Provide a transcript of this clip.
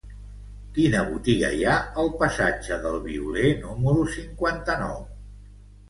Quina botiga hi ha al passatge del Violer número cinquanta-nou?